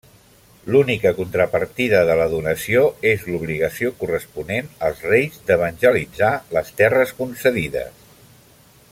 L'única contrapartida de la donació és l'obligació corresponent als reis d'evangelitzar les terres concedides.